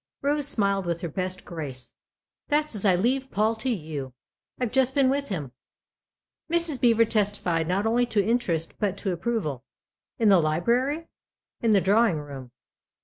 Rose smiled with her best grace. " That's as I leave Paul to you. I've just been with him." Mrs. Beever testified not only to interest, but to approval. " In the library ?"" In the drawing room."